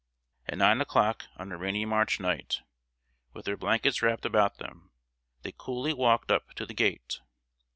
At nine o'clock, on a rainy March night, with their blankets wrapped about them, they coolly walked up to the gate.